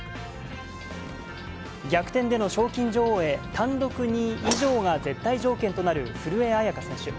逆転での賞金女王へ単独２位以上が絶対条件となる古江彩佳選手。